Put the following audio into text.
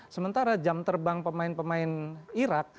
sementara jam terbang pemain pemain irak